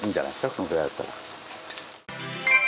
このぐらいだったら。